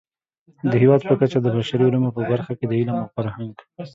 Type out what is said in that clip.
د هېواد په کچه د بشري علومو په برخه کې د علم او فرهنګ